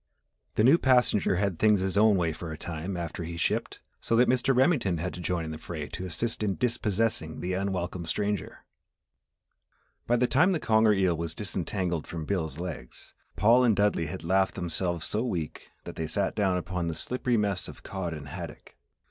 The new passenger had things his own way for a time after he shipped so that Mr. Remington had to join in the fray to assist in dispossessing the unwelcome stranger. By the time the conger eel was disentangled from Bill's legs, Paul and Dudley had laughed themselves so weak that they sat down upon the slippery mess of cod and haddock.